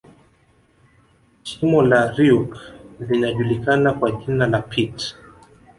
Shimo la reusch linajulikana kwa jina la pit